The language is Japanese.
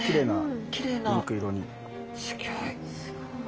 すごい。